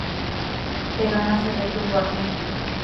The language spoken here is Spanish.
Pero no se detuvo aquí.